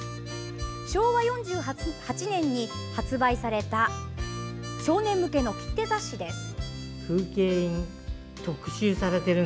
昭和４８年に発売された少年向けの切手雑誌です。